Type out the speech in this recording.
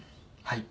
はい。